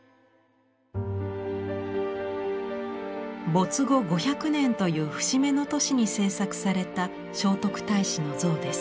没後５００年という節目の年に制作された聖徳太子の像です。